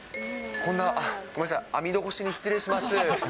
こんな、ごめんなさい、網戸越しに失礼します。